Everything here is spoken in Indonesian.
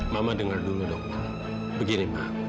mama dengar dulu dong begini mbak